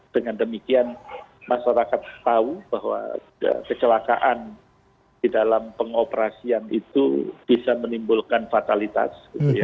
dengan demikian masyarakat tahu bahwa kecelakaan di dalam pengoperasian itu bisa menimbulkan fatalitas